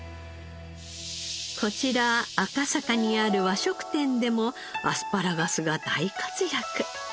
こちら赤坂にある和食店でもアスパラガスが大活躍。